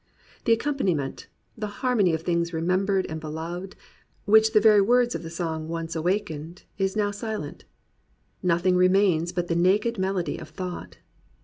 The accom paniment, the harmony of things remembered and beloved, which the very words of the song once awakened, is silent now. Nothing remains but the naked melody of thought.